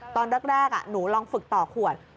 ตอนเริ่มฝึกต่อขวด